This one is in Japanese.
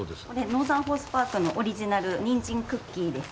ノーザンホースパークのオリジナルにんじんクッキーです。